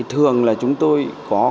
thường chúng tôi có